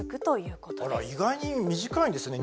あら意外に短いんですね。